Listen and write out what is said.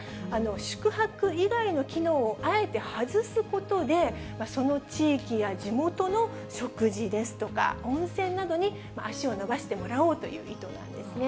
宿泊以外の機能をあえて外すことで、その地域や地元の食事ですとか、温泉などに足を伸ばしてもらおうという意図なんですね。